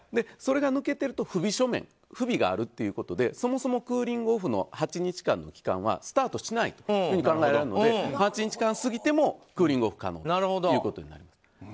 それが抜けてると不備書面不備があるということでそもそもクーリングオフの８日間の期間はスタートしないと考えられるので８日を過ぎてもクーリングオフが可能ということです。